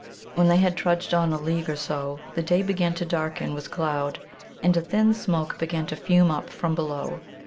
When they had trudged on a league or so the day began to darken with cloud. And a thin smoke began to fume up from below.